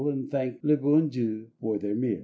And thank le bon Dieii for their meal.